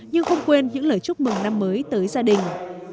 nhưng không quên những lời chúc mừng năm mới tới gia đình